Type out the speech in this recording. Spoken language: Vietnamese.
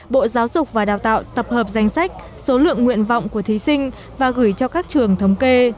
bộ giáo dục và đào tạo tập hợp danh sách số lượng nguyện vọng của thí sinh và gửi cho các trường thống kê